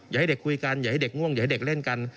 ให้เด็กคุยกันอย่าให้เด็กง่วงอย่าให้เด็กเล่นกัน